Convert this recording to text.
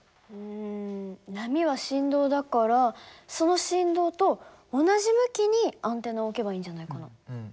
うん波は振動だからその振動と同じ向きにアンテナを置けばいいんじゃないかな。